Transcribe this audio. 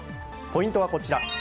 ポイントはこちら。